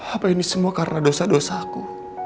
apa ini semua karena dosa dosa aku